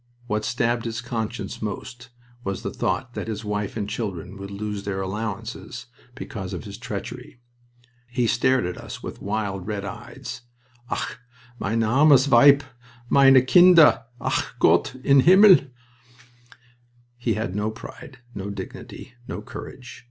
What stabbed his conscience most was the thought that his wife and children would lose their allowances because of his treachery. He stared at us with wild, red eyes. "Ach, mein armes Weib! Meine Kinder!... Ach, Gott in Himmel!" He had no pride, no dignity, no courage.